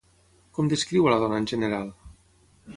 Com descriu a la dona en general?